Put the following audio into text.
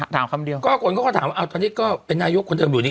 ถามคำเดียวก็คนก็ความถามว่าอ่าตอนนี้ก็เป็นนายุคคนเดิมอยู่นี่